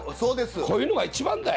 こういうのが一番だよ。